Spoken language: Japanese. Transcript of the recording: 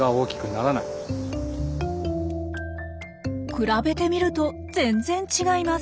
比べてみると全然違います。